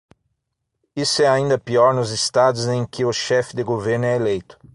Isso é ainda pior nos estados em que o chefe de governo é eleito.